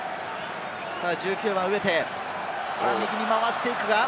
１９番・ウエテ、右に回していくが。